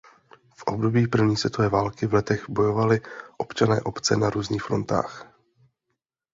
V období první světové války v letech bojovali občané obce na různých frontách.